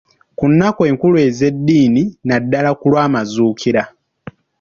Ku nnaku enkulu ez'eddiini, naddala ku lw'amazuukira.